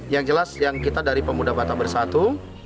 yang jelas yang kita dari pemuda batak bersatu